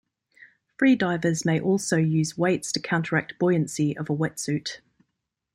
Free divers may also use weights to counteract buoyancy of a wetsuit.